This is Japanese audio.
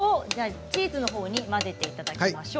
これはチーズのほうに混ぜていただきましょう。